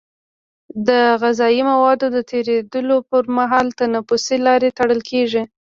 د غذایي موادو د تیرېدلو پر مهال تنفسي لاره تړل کېږي.